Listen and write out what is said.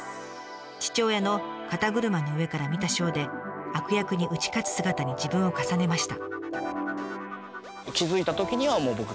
父親の肩車の上から見たショーで悪役に打ち勝つ姿に自分を重ねました。